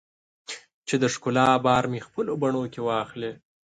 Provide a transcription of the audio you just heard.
چې د ښکلا بار مې خپلو بڼو کې واخلې